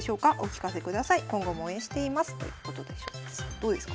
どうですか？